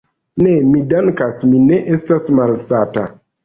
Ne, mi dankas, mi ne estas malsata.